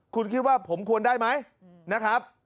คุณคิดว่าผมควรได้ไหมนะครับ